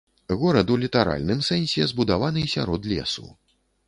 Горад у літаральным сэнсе збудаваны сярод лесу.